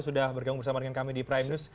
sudah bergabung bersama dengan kami di prime news